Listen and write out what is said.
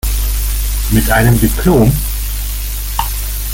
Mit einem Diplom?